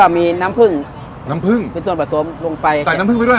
แล้วก็มีน้ำผึ้งน้ำผึ้งส่วนผสมลงไปใส่น้ำผึ้งไปด้วยหรอ